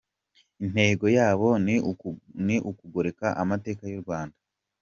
Intego yabo ni ukugoreka amateka y’u Rwanda.